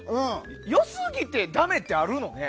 良すぎてダメってあるのね。